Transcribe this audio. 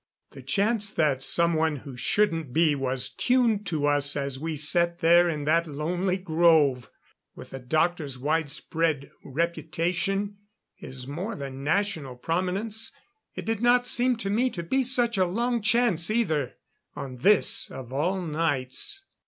The chance that someone who shouldn't be, was tuned to us as we sat there in that lonely grove! With the doctor's widespread reputation his more than national prominence it did not seem to me to be such a long chance either, on this, of all nights.